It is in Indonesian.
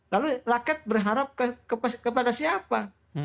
lalu rakyat berharap kepada siapa